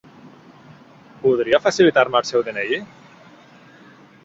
Podria facilitar-me el eu de-ena-i?